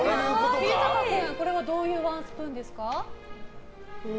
秀鷹君、これはどういうワンスプーンですか？